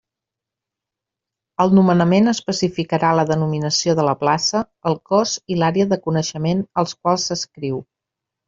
El nomenament especificarà la denominació de la plaça, el cos i l'àrea de coneixement als quals s'adscriu.